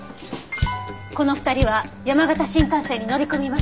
この２人は山形新幹線に乗り込みました。